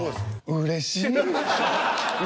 うれしい。